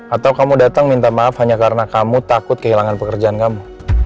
atau kamu datang minta maaf hanya karena kamu takut kehilangan pekerjaan kamu